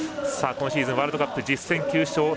今シーズンワールドカップ１０戦９勝